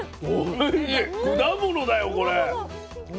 果物だよこれ。